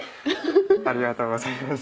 ありがとうございます。